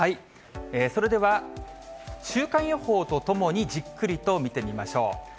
それでは週間予報とともにじっくりと見てみましょう。